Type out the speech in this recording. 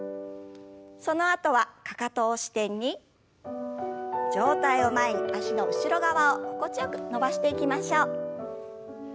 そのあとはかかとを支点に上体を前に脚の後ろ側を心地よく伸ばしていきましょう。